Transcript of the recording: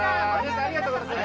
ありがとうございます。